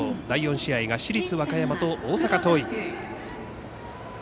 第４試合が市立和歌山と大阪桐蔭。